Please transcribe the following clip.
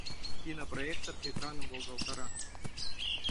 Кинопроектор экраным волгалтара.